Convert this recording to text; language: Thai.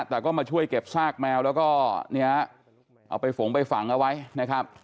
แต่ก็มาช่วยเก็บซากแมวแล้วก็เนี่ยเอาไปฝงไปฝังเอาไว้นะครับ